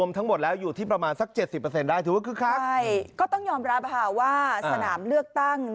แต่บรรยากาศของโควิด๑๙ถือว่าคึกคลัก